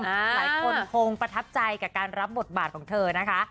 หลายคนคงประทับใจกับการรับบทบาทของเธอนะคะ